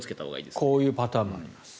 こういうパターンもあります。